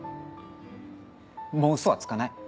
もう嘘はつかない。